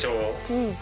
うん。